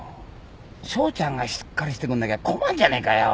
正ちゃんがしっかりしてくんなきゃ困んじゃねえかよ。